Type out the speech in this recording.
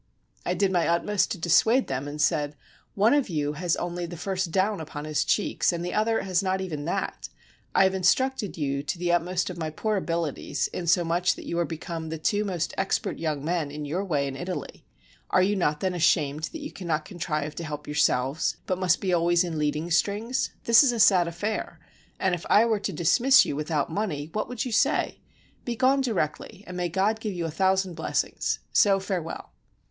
I did my utmost to dissuade them, and said, " One of you has only the first down upon his cheeks and the other has not even that; I have instructed you to the utmost of my poor abilities, inso much that you are become the two most expert young men in your way in Italy. Are you not then ashamed that you cannot contrive to help yourselves, but must be always in leading strings? This is a sad affair, and if I were to dismiss you without money, what would you say? Be gone directly, and may God give you a thou sand blessings! so farewell."